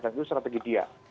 dan itu strategi dia